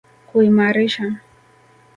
kuimarisha